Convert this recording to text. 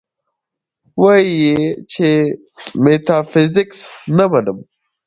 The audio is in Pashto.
وې ئې چې ميټافزکس نۀ منم -